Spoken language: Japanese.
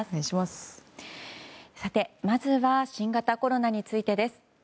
さて、まずは新型コロナについてです。